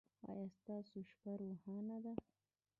ایا ستاسو شپه روښانه ده؟